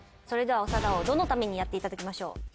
それでは長田王どの民にやっていただきましょう？